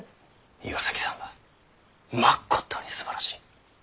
岩崎さんはまことにすばらしい。